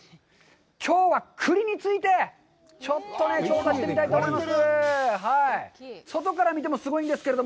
きょうは栗について、ちょっと調査してみたいと思います。